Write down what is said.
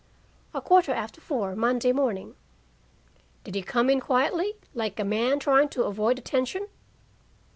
"A quarter after four Monday morning." "Did he come in quietly, like a man trying to avoid attention?"